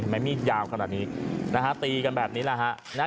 มีดยาวขนาดนี้นะฮะตีกันแบบนี้แหละฮะนะฮะ